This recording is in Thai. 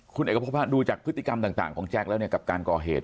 คุณเอกพบภัณฑ์ดูจากพฤติกรรมต่างของแจ๊คแล้วกับการก่อเหตุ